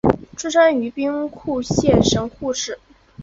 出身于兵库县神户市。